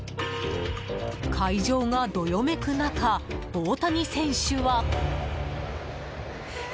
会場がどよめく中、大谷選手は。